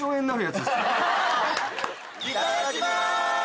いただきます！